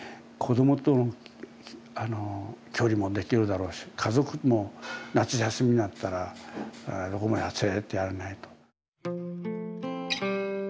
子どもと距離もできるだろうし家族も夏休みになったらどこも連れてってやれないと。